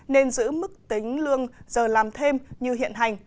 nên giữ mức tính lương giờ làm thêm như hiện hành